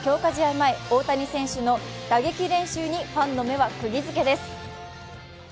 前、大谷選手の打撃練習にファンの目はクギづけです。